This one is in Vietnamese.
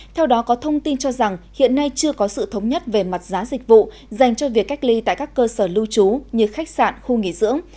theo đó có thông tin cho rằng hiện nay chưa có sự thống nhất về mặt giá dịch vụ dành cho việc cách ly tại các cơ sở lưu trú như khách sạn khu nghỉ dưỡng